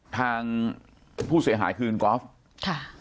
ทางผู้เสียหายคืนกรอฟท์